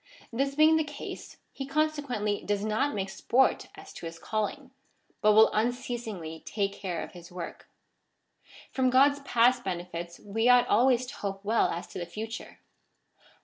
This being the case, he consequently does not make sport as to his calling, but will unceasingly take care of his work.^ From God's past benefits we ought always to hope well as to the future.